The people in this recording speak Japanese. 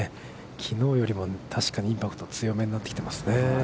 きのうよりも確かにインパクトが強めになってきていますね。